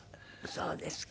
そうですか。